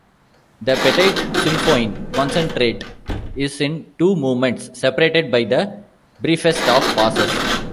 The "Petite symphonie concertante" is in two movements, separated by the briefest of pauses.